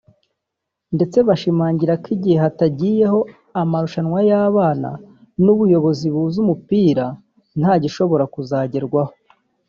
ndetse bagashimangira ko igihe hatagiyeho amarushanwa y’abana n’ubuyobozi buzi umupira nta gishobora kuzagerwaho